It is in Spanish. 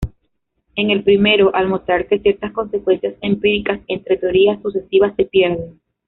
En el primero, al mostrar que ciertas consecuencias empíricas entre teorías sucesivas se pierden.